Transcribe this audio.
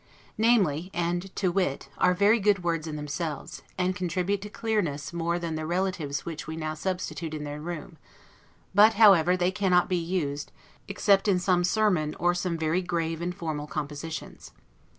NAMELY, and TO WIT, are very good words in themselves, and contribute to clearness more than the relatives which we now substitute in their room; but, however, they cannot be used, except in a sermon or some very grave and formal compositions.